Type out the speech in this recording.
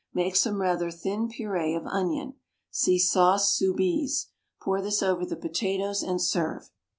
Make some rather thin puree of onion. (See SAUCE SOUBISE.) Pour this over the potatoes and serve.